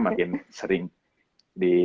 makin sering di